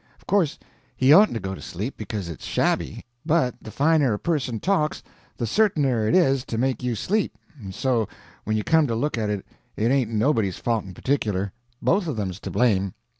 Of course he oughtn't to go to sleep, because it's shabby; but the finer a person talks the certainer it is to make you sleep, and so when you come to look at it it ain't nobody's fault in particular; both of them's to blame.